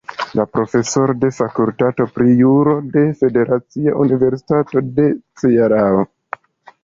Profesoro de Fakultato pri Juro de Federacia Universitato de Cearao.